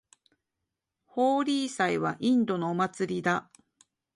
ホーリー祭はインドのお祭りだ。